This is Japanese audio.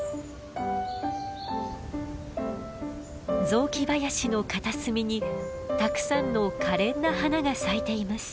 雑木林の片隅にたくさんの可憐な花が咲いています。